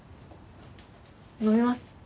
飲みます？